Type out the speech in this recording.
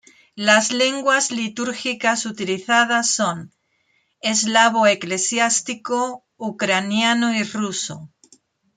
Las lenguas litúrgicas utilizadas son: eslavo eclesiástico, ucraniano y ruso.